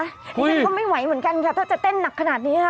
ฉันก็ไม่ไหวเหมือนกันค่ะถ้าจะเต้นหนักขนาดนี้ค่ะ